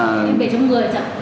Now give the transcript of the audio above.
em về trong người chẳng